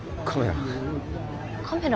カメラ。